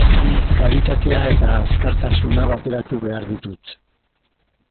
Kalitatea eta azkartasuna bateratu behar ditut.